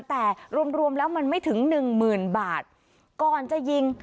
แต่รวมรวมแล้วมันไม่ถึงหนึ่งหมื่นบาทก่อนจะยิง